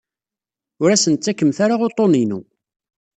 Ur asen-ttakemt ara uḍḍun-inu.